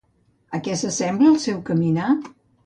A què s'assembla el seu caminar?